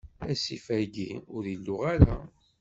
Asif-ayi ur iluɣ ara.